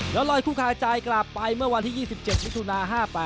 แล้วลอยคู่คาใจกลับไปเมื่อวันที่๒๗มิถุนา๕๘